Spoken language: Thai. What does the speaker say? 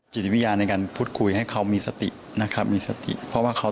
จิตวิญญาณในการพูดคุยให้เขามีสตินะครับมีสติเพราะว่าเขา